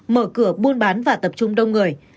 mở cửa buôn bán và tập trung đông người